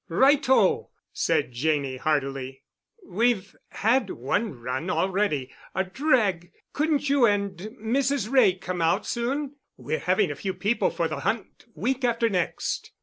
"Right o!" said Janney heartily. "We've had one run already—a drag. Couldn't you and Mrs. Wray come out soon? We're having a few people for the hunt week after next.